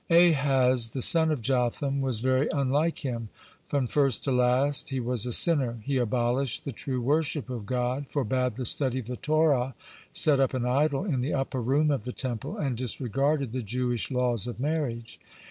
(38) Ahaz, the son of Jotham; was very unlike him. "From first to last he was a sinner." (39) He abolished the true worship of God, forbade the study of the Torah, set up an idol in the upper room of the Temple, and disregarded the Jewish laws of marriage.